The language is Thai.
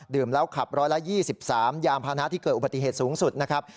ขับ๑๒๓ยานพานะที่เกิดอุบัติเหตุสูงสุดนะครับ